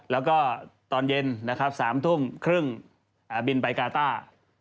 แล้วก็ตอนเย็นนะครับ๓ทุ่มครึ่งบินไปกาต้า